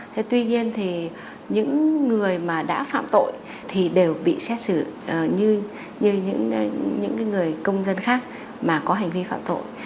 thế tuy nhiên thì những người mà đã phạm tội thì đều bị xét xử như những người công dân khác mà có hành vi phạm tội